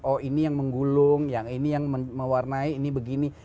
oh ini yang menggulung yang ini yang mewarnai ini begini